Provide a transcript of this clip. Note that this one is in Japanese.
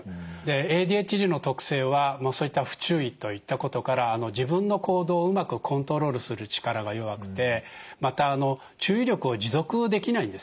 ＡＤＨＤの特性はそういった不注意といったことから自分の行動をうまくコントロールする力が弱くてまた注意力を持続できないんですね。